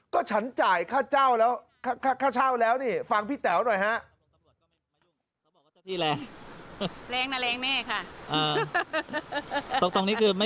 ก็ฉันจ่ายค่าเช่าแล้วฟังพี่แต๋วหน่อยฮะ